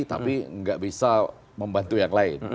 tapi nggak bisa membantu yang lain